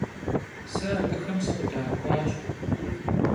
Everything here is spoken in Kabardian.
Сэ абыхэм сыкъыдахуащ.